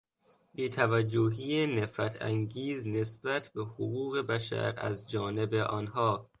بیتوجهی نفرتانگیز نسبت به حقوق بشر از جانب آنها